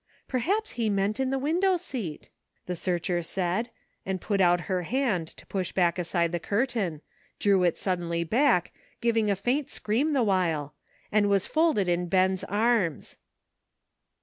"Perhaps he meant in the window seat," the searcher said, and put out her hand to push aside the curtain, drew it suddenly back, giving a faint scream the while, and was folded in Ben's arms.